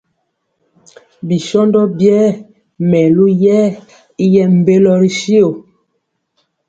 Bi shóndo biɛɛ melu mɛɛ y yɛɛ mbélo ri shó.